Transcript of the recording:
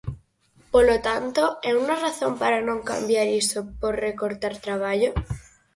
Polo tanto, é unha razón para non cambiar iso por recortar traballo.